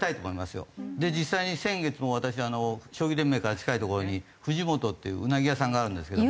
で実際に先月も私将棋連盟から近い所にふじもとっていううなぎ屋さんがあるんですけども。